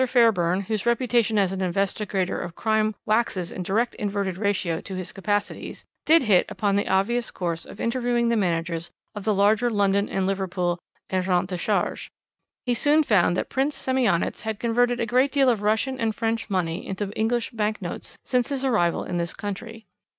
Fairburn, whose reputation as an investigator of crime waxes in direct inverted ratio to his capacities, did hit upon the obvious course of interviewing the managers of the larger London and Liverpool agents de change. He soon found that Prince Semionicz had converted a great deal of Russian and French money into English bank notes since his arrival in this country.